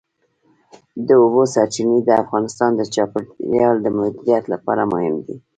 د اوبو سرچینې د افغانستان د چاپیریال د مدیریت لپاره مهم دي.